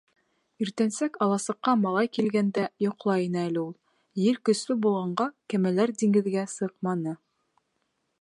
Иртәнсәк аласыҡҡа малай килгәндә йоҡлай ине әле ул. Ел көслө булғанға кәмәләр диңгеҙгә сыҡманы.